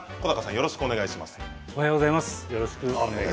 よろしくお願いします。